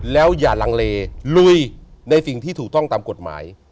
แล้วอย่าลังเลลุยในสิ่งที่ถูกต้องตามกฎหมาย